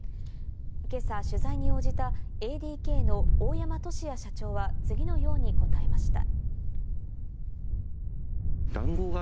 今朝、取材に応じたＡＤＫの大山俊哉社長は次のように答えました。